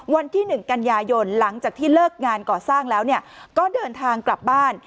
วันที่๑กันยายนหลังจากที่เลิกงานก่อสร้างแล้วก็เดินทางกลับบ้าน